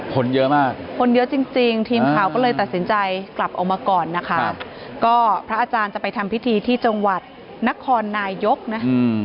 คนเยอะมากคนเยอะจริงจริงทีมข่าวก็เลยตัดสินใจกลับออกมาก่อนนะคะก็พระอาจารย์จะไปทำพิธีที่จังหวัดนครนายกนะ